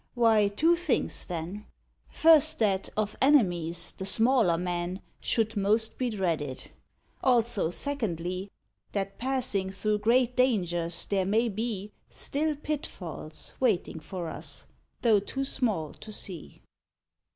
why, two things, then: First, that, of enemies, the smaller men Should most be dreaded; also, secondly, That passing through great dangers there may be Still pitfalls waiting for us, though too small to see.